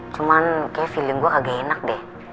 cuman kayaknya feeling gue agak enak deh